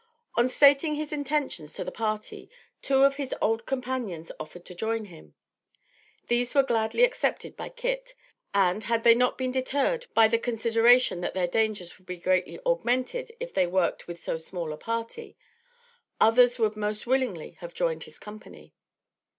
On stating his intentions to the party, two of his old companions offered to join him. These were gladly accepted by Kit; and, had they not been deterred by the consideration that their dangers would be greatly augmented if they worked with so small a party, others would most willingly have joined his company.